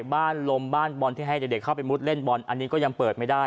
บ้านลมบ้านบอลที่ให้เด็กเข้าไปมุดเล่นบอลอันนี้ก็ยังเปิดไม่ได้